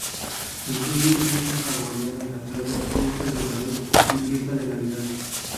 Incluye Fiesta hawaiana en la playa, Fiesta del ballet y Fiesta de Navidad.